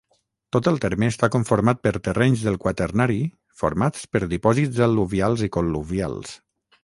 Tot el terme està conformat per terrenys del Quaternari formats per dipòsits al·luvials i col·luvials.